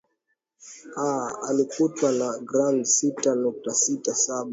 aa alikutwa na grams sita nukta sita saba